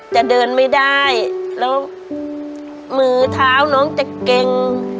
จะเดินไม่ได้แล้วมือเท้าน้องจะเก่ง